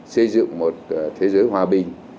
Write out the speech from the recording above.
xây dựng một thế giới hòa bình